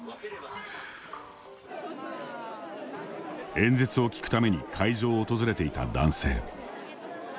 演説を聞くために会場を訪れていた男性。